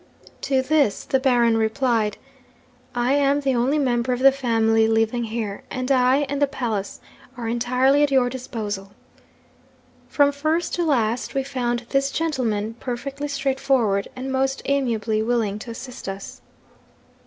'To this the Baron replied, "I am the only member of the family living here, and I and the palace are entirely at your disposal." From first to last we found this gentleman perfectly straightforward, and most amiably willing to assist us.